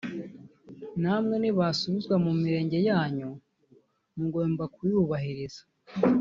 namwe nimwasubizwa mu Mirenge yanyu mugomba kuyubahiriza